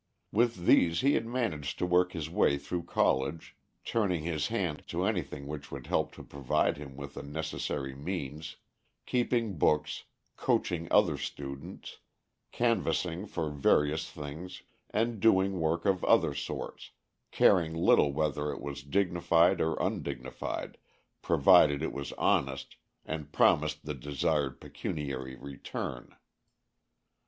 With these he had managed to work his way through college, turning his hand to anything which would help to provide him with the necessary means keeping books, "coaching" other students, canvassing for various things, and doing work of other sorts, caring little whether it was dignified or undignified provided it was honest and promised the desired pecuniary return.